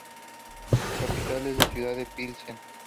Su capital es la ciudad de Pilsen.